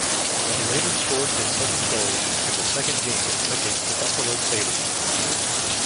He later scored his second goal in the second game against the Buffalo Sabres.